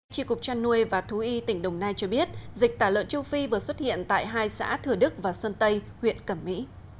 trị cục chăn nuôi và thú y tỉnh đồng nai cho biết dịch tả lợn châu phi vừa xuất hiện tại hai xã thừa đức và xuân tây huyện cẩm mỹ